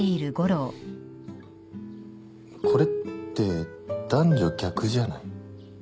これって男女逆じゃない？